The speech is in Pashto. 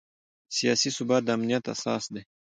سیاسي ثبات د امنیت اساس دی